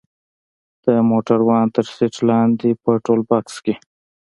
د موټروان تر سيټ لاندې په ټولبکس کښې.